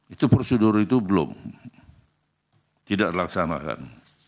itu prosedur itu belum tidak dilaksanakan